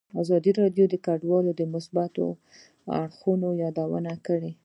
ازادي راډیو د کډوال د مثبتو اړخونو یادونه کړې.